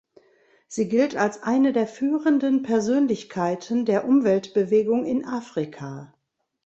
Sie gilt als eine der führenden Persönlichkeiten der Umweltbewegung in Afrika.